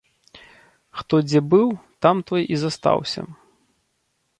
Хто дзе быў, там той і застаўся.